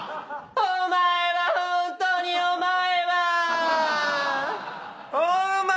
お前はホントにお前は！